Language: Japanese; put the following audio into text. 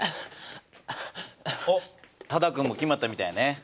おっ多田くんも決まったみたいやね。